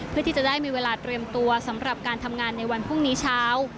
เพื่อที่จะได้มีเวลาเตรียมตัวสำหรับการทำงานในวันพรุ่งนี้เช้า